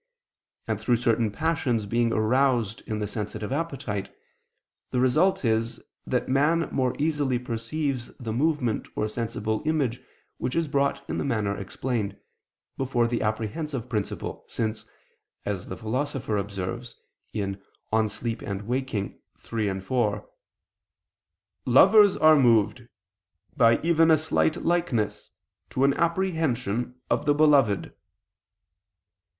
And through certain passions being aroused in the sensitive appetite, the result is that man more easily perceives the movement or sensible image which is brought in the manner explained, before the apprehensive principle, since, as the Philosopher observes (De Somno et Virgil.: De Insomn. iii, iv), "lovers are moved, by even a slight likeness, to an apprehension of the beloved."